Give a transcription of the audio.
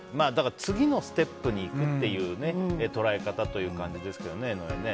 次のステップに行くっていう捉え方という感じですけどね江上。